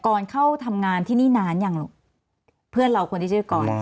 ก่อนเข้าทำงานที่นี่นานอย่างเพื่อนเราคนที่ชื่อกร